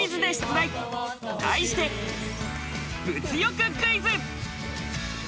題して、物欲クイズ！